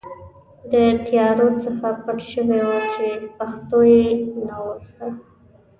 د طیارو څخه پټ شوي وو چې پښتو یې نه وه زده.